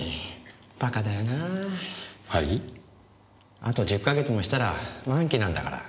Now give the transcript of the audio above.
あと１０か月もしたら満期なんだから。